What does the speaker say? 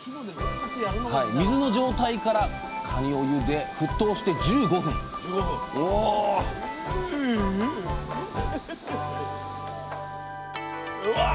水の状態からかにをゆで沸騰して１５分うわ！